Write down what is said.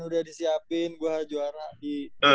udah disiapin gue juara di